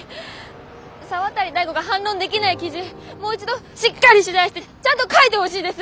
沢渡大吾が反論できない記事もう一度しっかり取材してちゃんと書いてほしいです！